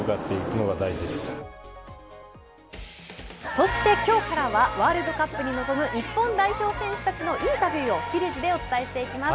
そしてきょうからは、ワールドカップに臨む日本代表選手たちのインタビューをシリーズでお伝えしていきます。